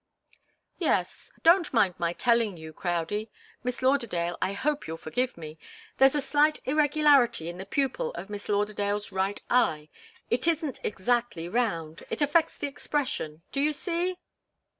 "Yes. Don't mind my telling you, Crowdie Miss Lauderdale, I hope you'll forgive me there's a slight irregularity in the pupil of Miss Lauderdale's right eye it isn't exactly round. It affects the expression. Do you see?"